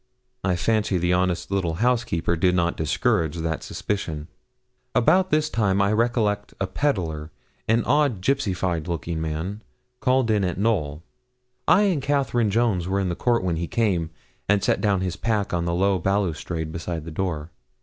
I fancy the honest little housekeeper did not discourage that suspicion. About this time I recollect a pedlar an odd, gipsified looking man called in at Knowl. I and Catherine Jones were in the court when he came, and set down his pack on the low balustrade beside the door.